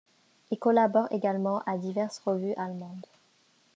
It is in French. Il collabore également à diverses revues allemandes.